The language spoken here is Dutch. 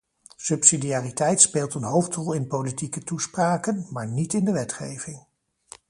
Subsidiariteit speelt een hoofdrol in politieke toespraken, maar niet in de wetgeving.